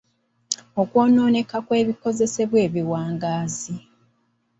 Okwonooneka kw’ebikozesebwa ebiwangaazi.